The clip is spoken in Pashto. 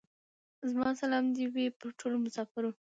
زما سلام دي وې پر ټولو مسافرو.